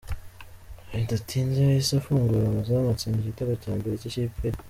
Bidatinze yahise afungura amazamu atsinda igitego cya mbere cy’ikipe ye.